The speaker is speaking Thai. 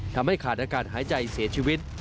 ทำให้ขาดอากาศหายใจเสียชีวิต